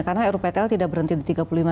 karena ruptl tidak berhenti di tiga puluh lima